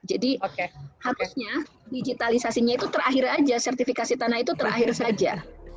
jadi harusnya digitalisasinya itu terakhir saja sertifikasi tanah itu terakhir saja